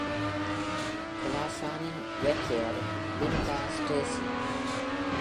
Klassen இன் இயற்பெயர் Linda Stacey.